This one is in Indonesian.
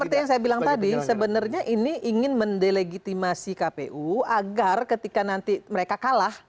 seperti yang saya bilang tadi sebenarnya ini ingin mendelegitimasi kpu agar ketika nanti mereka kalah